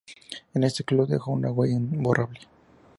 En este club dejó una huella imborrable.